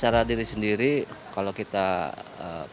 secara diri sendiri kalau kita